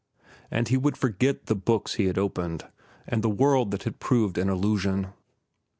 And he would forget the books he had opened and the world that had proved an illusion.